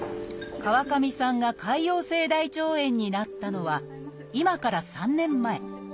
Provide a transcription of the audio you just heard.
川上さんが潰瘍性大腸炎になったのは今から３年前。